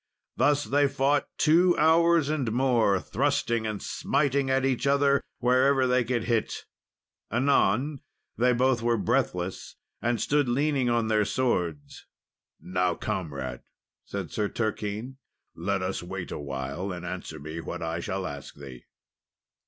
Thus they fought two hours and more, thrusting and smiting at each other, wherever they could hit. Anon, they both were breathless, and stood leaning on their swords. "Now, comrade," said Sir Turquine, "let us wait awhile, and answer me what I shall ask thee."